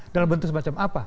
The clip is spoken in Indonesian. dalam bentuk semacam apa